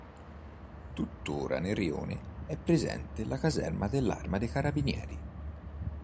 Tuttora nel rione è presente la caserma dell'arma dei carabinieri.